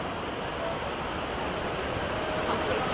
ขอบคุณครับ